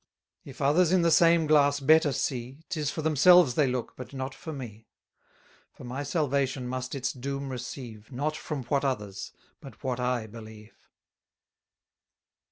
300 If others in the same glass better see, 'Tis for themselves they look, but not for me: For my salvation must its doom receive, Not from what others, but what I believe.